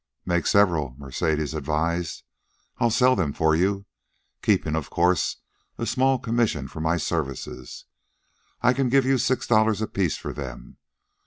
"Make several," Mercedes advised. "I'll sell them for you, keeping, of course, a small commission for my services. I can give you six dollars apiece for them.